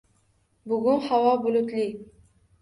Bugun havo bulutli